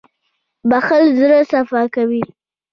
• بښل زړه صفا کوي.